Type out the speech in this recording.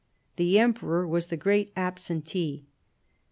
The Emperor was the great absentee.